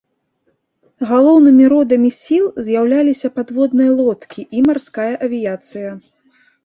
Галоўнымі родамі сіл з'яўляліся падводныя лодкі і марская авіяцыя.